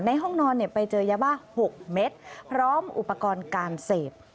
ห้องนอนไปเจอยาบ้า๖เม็ดพร้อมอุปกรณ์การเสพ